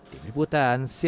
tim liputan cnn indonesia